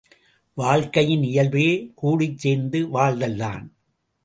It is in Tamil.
வாழ்க்கையின் இயல்பே கூடிச்சேர்ந்து வாழ்தல்தான்.